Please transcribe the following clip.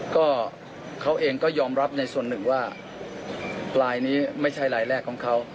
ก็เขาเองก็ยอมรับในส่วนหนึ่งว่าลายนี้ไม่ใช่ลายแรกของเขา